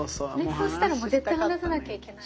そうしたらもう絶対話さなきゃいけない。